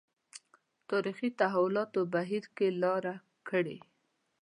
تاریخي تحولاتو بهیر کې لاره کړې.